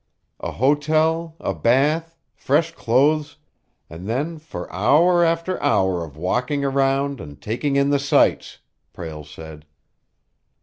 "A hotel, a bath, fresh clothes and then for hour after hour of walking around and taking in the sights!" Prale said.